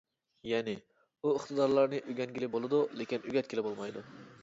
يەنى، ئۇ ئىقتىدارلارنى ئۆگەنگىلى بولىدۇ، لېكىن ئۆگەتكىلى بولمايدۇ.